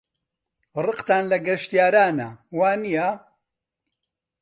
ڕقتان لە گەشتیارانە، وانییە؟